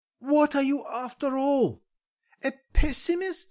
"What are you after all? a pessimist?"